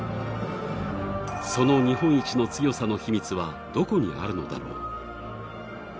その日本一の強さの秘密はどこにあるのだろう。